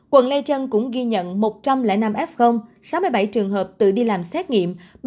quận lê trân cũng ghi nhận một trăm linh năm f sáu mươi bảy trường hợp tự đi làm xét nghiệm